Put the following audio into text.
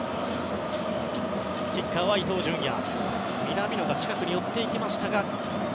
キッカーは伊東純也。